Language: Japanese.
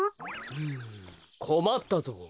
うんこまったぞう。